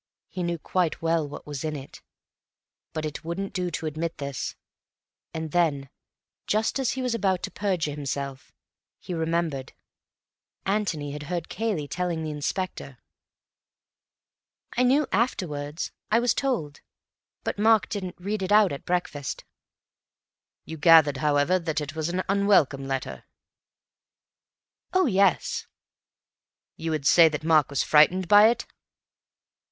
He knew quite well what was in it. But it wouldn't do to admit this. And then, just as he was about to perjure himself, he remembered: Antony had heard Cayley telling the Inspector. "I knew afterwards. I was told. But Mark didn't read it out at breakfast." "You gathered, however, that it was an unwelcome letter?" "Oh, yes!" "Would you say that Mark was frightened by it?"